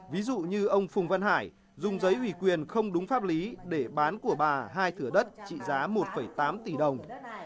ví dụ như ông phùng văn hải dùng giấy ủy quyền không đúng pháp lý để bán của bà hai thửa đất trị giá một tám tỷ đồng